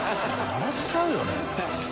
笑っちゃうよね。